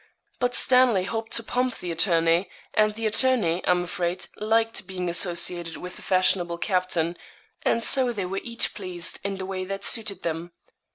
But Stanley hoped to pump the attorney, and the attorney, I'm afraid, liked being associated with the fashionable captain; and so they were each pleased in the way that suited them.